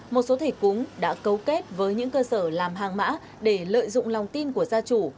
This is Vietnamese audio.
một số thể cúng đã cấu kết với những cơ sở làm hàng mã để lợi dụng lòng tin của gia chủ